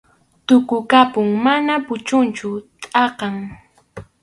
Tukukapun, mana puchunchu, kʼatam.